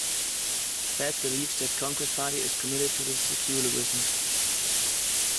Bhatt believes the Congress party is committed to secularism.